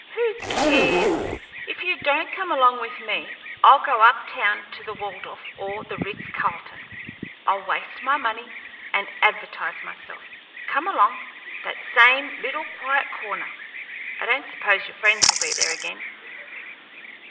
"Who cares! If you don't come along with me, I'll go up town to the Waldorf or the Ritz Carlton. I'll waste my money and advertise myself. Come along that same little quiet corner. I don't suppose your friends will be there again."